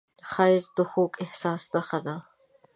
ښایست د خوږ احساس نښه ده